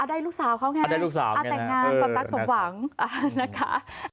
อ่าได้ลูกสาวเขาไงอ่าแต่งงานคำตักสมหวังนะคะ